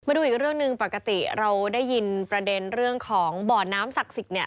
ดูอีกเรื่องหนึ่งปกติเราได้ยินประเด็นเรื่องของบ่อน้ำศักดิ์สิทธิ์เนี่ย